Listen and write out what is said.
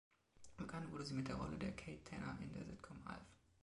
Bekannt wurde sie mit der Rolle der "Kate Tanner" in der Sitcom "Alf".